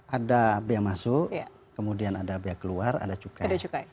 ada bea masuk kemudian ada bea keluar ada cukai